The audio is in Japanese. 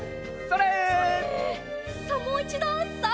それ！